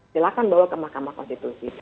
silahkan bawa ke mahkamah konstitusi